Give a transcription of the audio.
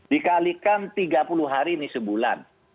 dikalikan tiga puluh hari ini sebulan